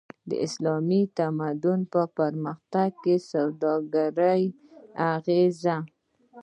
د اسلامي تمدن په پرمختګ کی د سوداګری اغیز